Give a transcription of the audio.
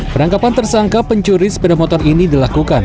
penangkapan tersangka pencuri sepeda motor ini dilakukan